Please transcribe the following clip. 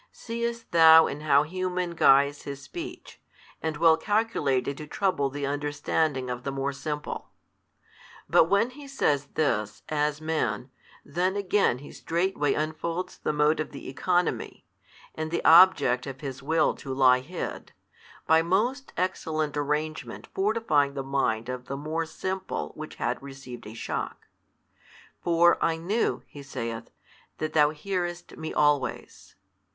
Seest thou in how human guise His speech, and well calculated to trouble the understanding of the more simple? But when He says this, as Man, then again He straightway unfolds the mode of the economy, and the object of His will to lie hid, by most excellent arrangement fortifying the mind of the more simple which had received a shock. For I knew (He saith) that Thou hearest Me always.